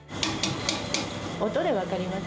音で分かります。